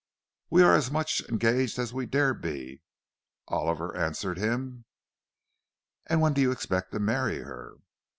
"We're as much engaged as we dare to be," Oliver answered him. "And when do you expect to marry her?"